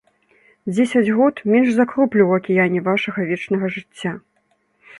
Дзесяць год менш за кроплю ў акіяне вашага вечнага жыцця.